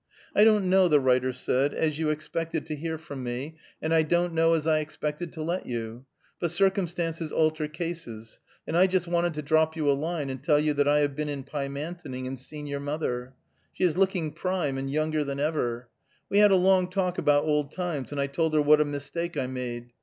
"I don't know," the writer said, "as you expected to hear from me, and I don't know as I expected to let you, but circumstances alter cases, and I just wanted to drop you a line and tell you that I have been in Pymantoning and seen your mother. She is looking prime, and younger than ever. We had a long talk about old times, and I told her what a mistake I made.